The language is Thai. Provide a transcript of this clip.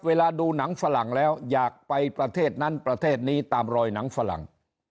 เวลาดูหนังฝรั่งแล้วอยากไปประเทศนั้นประเทศนี้ตามรอยหนังฝรั่ง